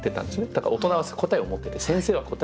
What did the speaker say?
だから大人は答えを持ってて先生は答えを持ってて。